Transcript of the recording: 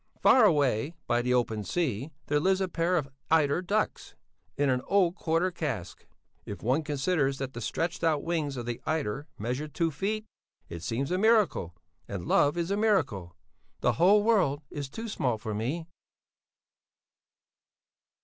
Far away, by the open sea, there lives a pair of eider ducks, in an old quarter cask. If one considers that the stretched out wings of the eider measure two feet, it seems a miracle and love is a miracle. The whole world is too small for me.